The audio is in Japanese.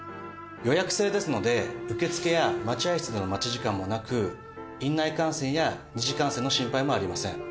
予約制ですので受付や待合室での待ち時間もなく院内感染や二次感染の心配もありません。